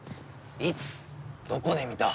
いつどこで見た？